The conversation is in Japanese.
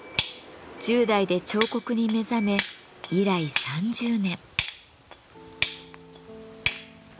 １０代で彫刻に目覚め以来３０年。